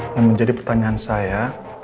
yang menjadi pertanyaan saya